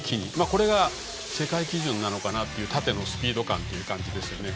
これが世界基準なのかなという縦のスピード感ですね。